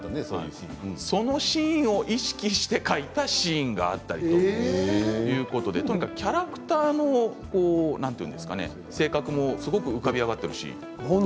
そのシーンを意識して書いたシーンがあったりとにかくキャラクターの性格もすごく浮かび上がってくるんです。